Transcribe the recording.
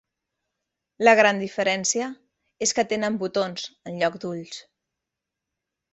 La gran diferència és que tenen botons en lloc d'ulls.